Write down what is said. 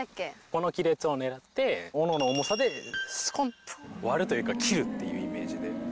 この亀裂を狙って斧の重さでスコンと割るというか切るっていうイメージで。